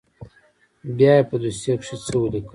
بيا يې په دوسيه کښې څه وليکل.